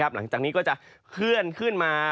หลังจากนี้ก็จะเคลื่อนขึ้นมา